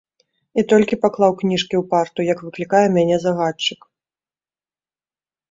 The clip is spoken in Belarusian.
І толькі паклаў кніжкі ў парту, як выклікае мяне загадчык.